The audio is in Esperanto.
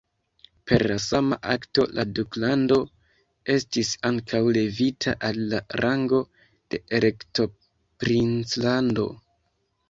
Per la sama akto la duklando estis ankaŭ levita al la rango de elektoprinclando.